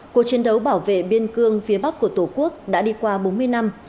cuộc chiến đấu bảo vệ biên cương phía bắc của tổ quốc đã đi qua bốn mươi năm